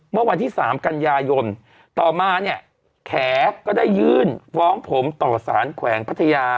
เมื่อวันที่๓กันยายนต่อมาเนี่ยแขก็ได้ยื่นฟ้องผมต่อสารแขวงพัทยา